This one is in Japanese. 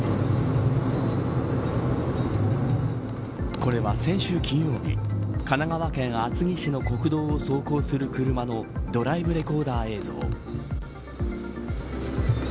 これは、先週金曜日神奈川県厚木市の国道を走行する車のドライブレコーダー映像。